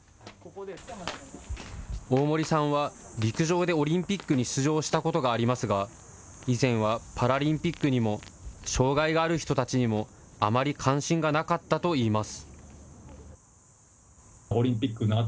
大森さんは陸上でオリンピックに出場したことがありますが、以前はパラリンピックにも、障害がある人たちにも、あまり関心がなかったといいます。